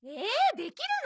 できるの？